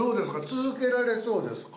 続けられそうですか？